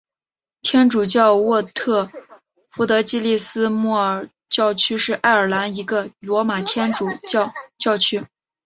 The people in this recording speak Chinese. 天主教沃特福德暨利斯莫尔教区是爱尔兰一个罗马天主教教区。